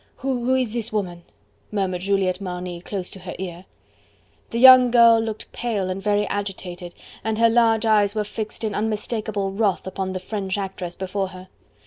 "Who... who is this woman?" murmured Juliette Marny close to her ear. The young girl looked pale and very agitated, and her large eyes were fixed in unmistakable wrath upon the French actress before her.